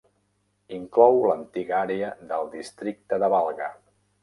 Inclou l'antiga àrea del districte de Valga.